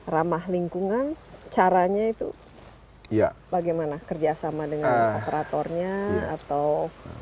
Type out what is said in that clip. ramah lingkungan caranya itu bagaimana kerjasama dengan operatornya atau